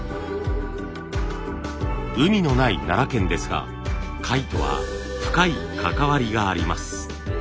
海のない奈良県ですが貝とは深い関わりがあります。